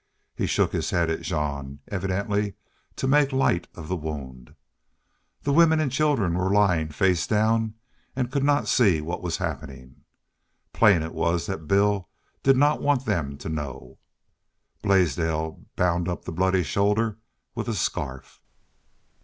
He shook his head at Jean, evidently to make light of the wound. The women and children were lying face down and could not see what was happening. Plain is was that Bill did not want them to know. Blaisdell bound up the bloody shoulder with a scarf.